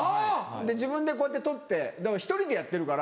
自分でこうやって撮って１人でやってるから。